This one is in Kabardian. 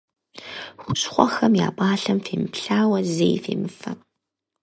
Хущхъуэхэм я пӏалъэм фемыплъауэ, зэи фемыфэ.